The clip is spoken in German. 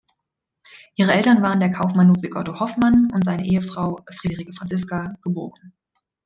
Ihre Eltern waren der Kaufmann Ludwig Otto Hoffmann und seine Ehefrau Friederike Franziska, geb.